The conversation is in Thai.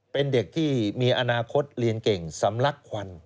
เป็นเด็กที่มีอนาคตเรียนเก่งสำลักควัน